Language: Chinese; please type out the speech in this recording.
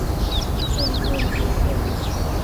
渐渐不顺